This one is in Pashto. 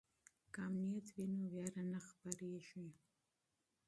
که امنیت وي نو ویره نه خپریږي.